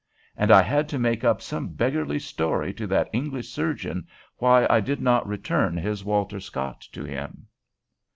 And I had to make up some beggarly story to that English surgeon why I did not return his Walter Scott to him."